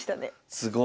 すごい。